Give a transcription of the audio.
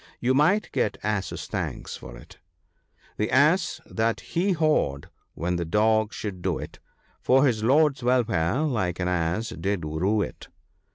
You might get ass's thanks for it, —" The Ass that hee hawed, when the dog should do it, For his lord's welfare, like an ass did rue it."